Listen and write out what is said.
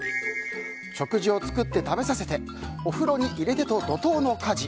食事を作って食べさせてお風呂に入れてと怒涛の家事。